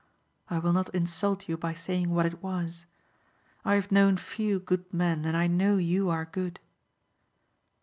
I will not insult you by saying what it was. I have known few good men and I know you are good."